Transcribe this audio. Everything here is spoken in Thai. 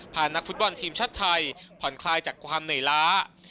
นักฟุตบอลทีมชาติไทยผ่อนคลายจากความเหนื่อยล้า